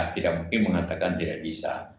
tidak mungkin mengatakan tidak bisa